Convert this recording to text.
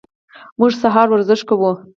موږ سهار ورزش کوو.